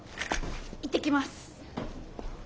いってきます。